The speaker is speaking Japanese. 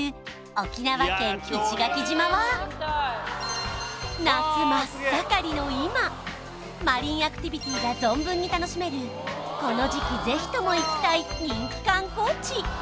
沖縄県石垣島は夏真っ盛りの今マリンアクティビティーが存分に楽しめるこの時期ぜひとも行きたい人気観光地